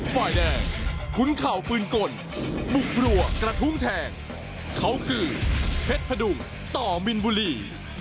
ฝ่ายแดงขุนเข่าปืนกลบุกรัวกระทุ่มแทงเขาคือเพชรพดุงต่อมินบุรี